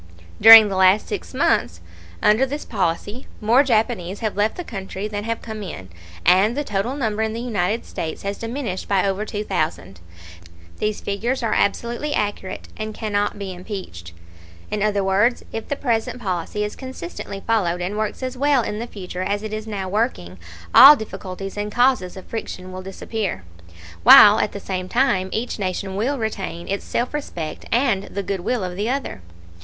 During the last six months under this policy more Japanese have left the country than have come in, and the total number in the United States has diminished by over two thousand. These figures are absolutely accurate and cannot be impeached. In other words, if the present policy is consistently followed and works as well in the future as it is now working, all difficulties and causes of friction will disappear, while at the same time each nation will retain its self respect and the good will of the other.